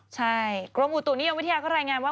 ใช่กรมอุตุนิยมวิทยาก็รายงานว่า